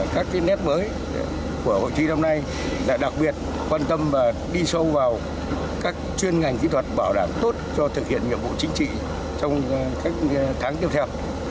các nét mới của hội thi năm nay đã đặc biệt quan tâm và đi sâu vào các chuyên ngành kỹ thuật bảo đảm tốt cho thực hiện nhiệm vụ chính trị trong các tháng tiếp theo